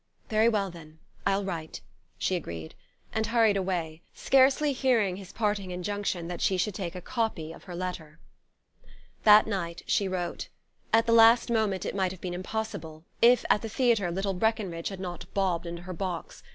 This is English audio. "Very well, then; I'll write," she agreed, and hurried away, scarcely hearing his parting injunction that she should take a copy of her letter. That night she wrote. At the last moment it might have been impossible, if at the theatre little Breckenridge had not bobbed into her box.